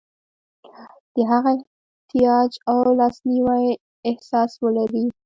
د هغه احتیاج او لاسنیوي احساس ولري.